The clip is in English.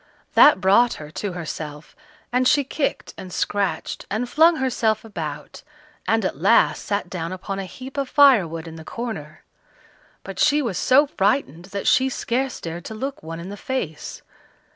That brought her to herself, and she kicked and scratched, and flung herself about, and at last sat down upon a heap of firewood in the corner; but she was so frightened that she scarce dared to look one in the face.